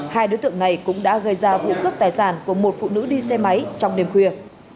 hai đối tượng này cũng đã gây ra vụ cướp tài sản của một phụ nữ đi xe máy trong đêm khuya